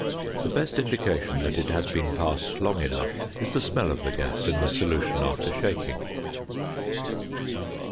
The best indication that it has been passed long enough is the smell of the gas in the solution after shaking.